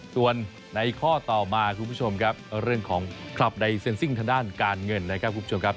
ส่วนในข้อต่อมาคุณผู้ชมครับเรื่องของคลับในเซ็นซิ่งทางด้านการเงินนะครับคุณผู้ชมครับ